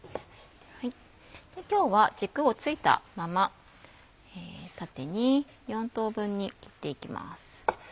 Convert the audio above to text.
今日は軸を付いたまま縦に４等分に切っていきます。